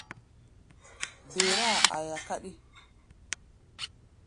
Ber-áa aia káɗí.